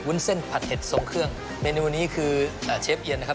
เส้นผัดเห็ดทรงเครื่องเมนูนี้คือเชฟเอียนนะครับ